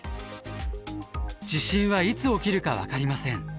地震はいつ起きるか分かりません。